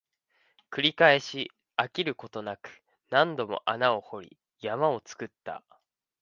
繰り返し、飽きることなく、何度も穴を掘り、山を作った